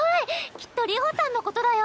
きっと流星さんのことだよ。